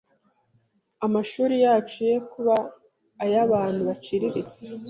amashuri yacu ye kuba ay’ab’abantu baciriritse.